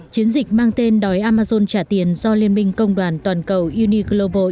chiến dịch mang tên đói amazon trả tiền do liên minh công đoàn toàn cầu uniglobal